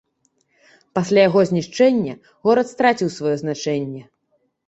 Пасля яго знішчэння горад страціў сваё значэнне.